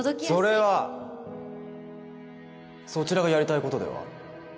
それはそちらがやりたい事では？